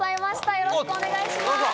よろしくお願いします。